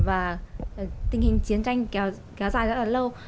và tình hình chiến tranh kéo dài rất là lâu